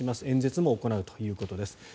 演説も行うということです。